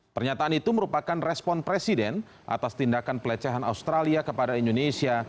pernyataan itu merupakan respon presiden atas tindakan pelecehan australia kepada indonesia